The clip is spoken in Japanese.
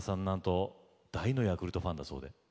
なんと大のヤクルトファンだそうで。